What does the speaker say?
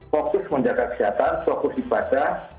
fokus menjaga kesehatan fokus ibadah